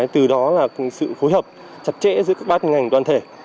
từ đó là sự hối hợp chặt chẽ giữa các bác ngành toàn thể